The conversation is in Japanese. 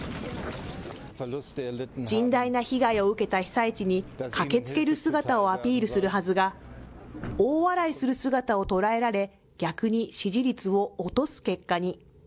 甚大な被害を受けた被災地に駆けつける姿をアピールするはずが、大笑いする姿を捉えられ、逆に支持率を落とす結果に。